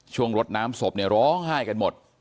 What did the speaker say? รดน้ำศพเนี่ยร้องไห้กันหมด